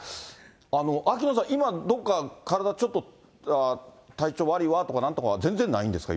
秋野さん、今、どっか、体ちょっと、体調悪いわとかなんとかは全然ないんですか？